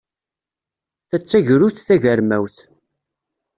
Ta d tagrut tagermawt.